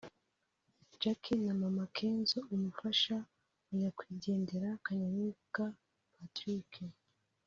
Jacky na Mama Kenzo (umufasha wa nyakwigendera Kanyamibwa Patrick)